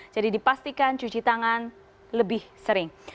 jadi dipastikan cuci tangan lebih sering